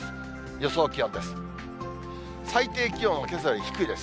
予想気温です。